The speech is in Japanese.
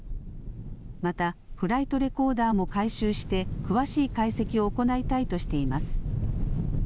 また、フライトレコーダーも回収して、詳しい解析を行いたいとしています。